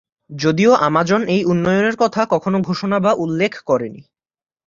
যদিও আমাজন এই উন্নয়নের কথা কখনও ঘোষণা বা উল্লেখ করেনি।